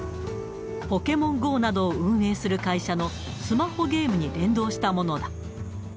ポケモンＧＯなどを運営する会社のスマホゲームに連動したものだ。